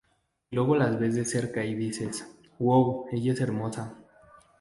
Y luego la ves de cerca y dices, 'Wow, ella es hermosa"".